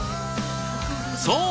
そう。